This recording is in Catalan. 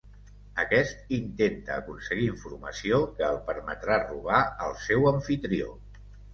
Aquest intenta aconseguir informació que el permetrà robar al seu amfitrió.